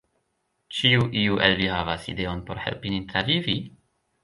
"Ĉiu iu el vi havas ideon por helpi nin travivi?"